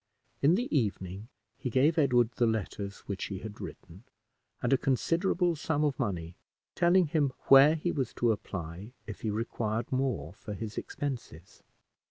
In the evening he gave Edward the letters which he had written, and a considerable sum of money, telling him where he was to apply if he required more for his expenses.